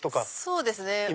そうですね。